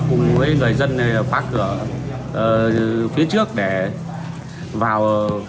chúng tôi cùng với người dân phát cửa phía trước để vào